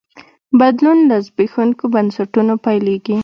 بدلون له زبېښونکو بنسټونو پیلېږي.